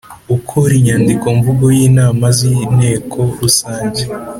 ukora inyandikomvugo y inama z Inteko Rusange